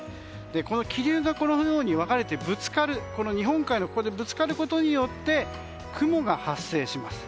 この気流が、このように分かれて日本海のここでぶつかることによって雲が発生します。